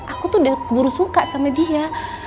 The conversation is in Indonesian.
aku tuh udah keburu suka sama dia